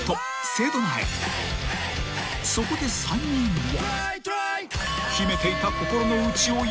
［そこで３人は］